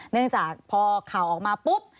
เนื่องจากพอข่าวออกมาปุ๊บ